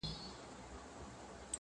ماته د خپل د زړه آواز راورسيږي,